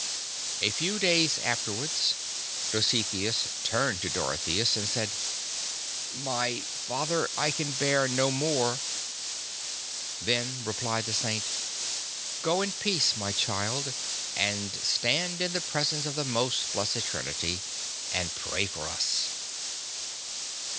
A few days afterwards Dositheus turned to Dorotheus and said : ''My Father, I can bear no more." Then replied the Saint, "Go in peace, my child, and stand in the presence of the Most Blessed Trinity. And pray for us."